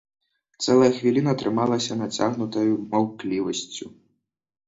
Цэлая хвіліна трымалася нацягнутаю маўклівасцю.